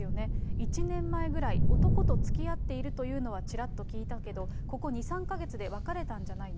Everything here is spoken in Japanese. １年前ぐらい、男とつきあっているというのは、ちらっと聞いたけど、ここ２、３か月で別れたんじゃないの？